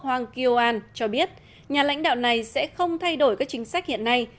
hoàng kyo an cho biết nhà lãnh đạo này sẽ không thay đổi các chính sách hiện nay